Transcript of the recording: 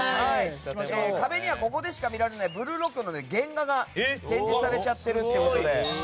壁にはここでしか見られない「ブルーロック」の原画が展示されちゃっているということで。